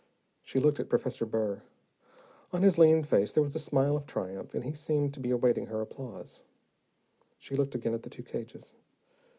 She looked at Professor Burr. On his lean face there was a smile of triumph, and he seemed to be awaiting her applause. She looked again at the two cages.